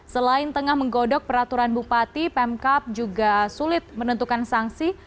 selain tengah menggodok peraturan bupati pemkap juga sulit menentukan sanksi